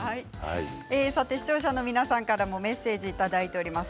視聴者の皆さんからもメッセージをいただいてます。